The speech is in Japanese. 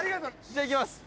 じゃあいきます。